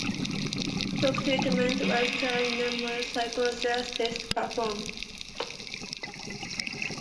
Shock treatment was tried and numerous psychological tests performed.